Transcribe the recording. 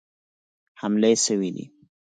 حملې سوي دي.